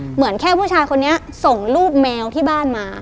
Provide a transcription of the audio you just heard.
เหมือนแค่ผู้ชายคนนี้ส่งรูปแมวที่บ้านมา